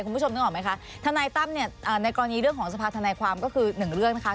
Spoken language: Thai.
คุณผู้ชมนึกออกไหมคะทนายตั้มเนี่ยในกรณีเรื่องของสภาธนายความก็คือหนึ่งเรื่องนะคะ